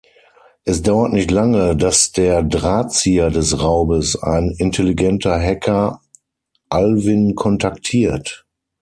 Es dauert nicht lange, dass der Drahtzieher des Raubes, ein intelligenter Hacker, Alvin kontaktiert.